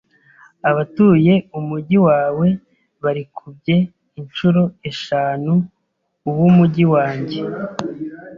Abatuye umujyi wawe barikubye inshuro eshanu uw'umujyi wanjye.